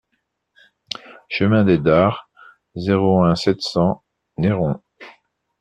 Chemin des Dares, zéro un, sept cents Neyron